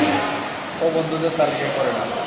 ও বন্ধুত্বের তালিকায় পড়ে না।